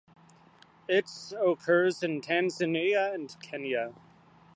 Its occurs in Tanzania and Kenya.